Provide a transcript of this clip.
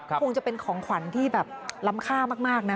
คงจะเป็นของขวัญที่แบบล้ำค่ามากนะ